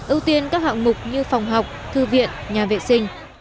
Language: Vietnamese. ưu tiên các hạng mục như phòng học thư viện nhà vệ sinh